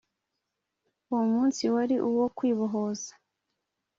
uwo munsi wari uwo kwibohoza.